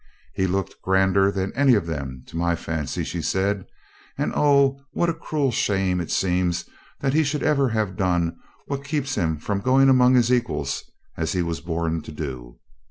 'He looked grander than any of them, to my fancy,' said she; 'and oh! what a cruel shame it seems that he should ever have done what keeps him from going among his equals as he was born to do.